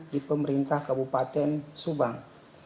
di pemerintah kabupaten subang